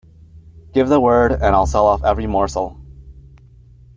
Give the word, and I'll sell off every morsel.